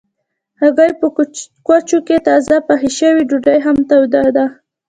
هګۍ په کوچو کې تازه پخې شوي ډوډۍ هم توده ده.